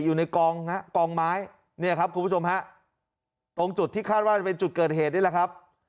อยู่ในกองฮะกองไม้เนี่ยครับคุณผู้ชมฮะตรงจุดที่คาดว่าจะเป็นจุดเกิดเหตุนี่แหละครับ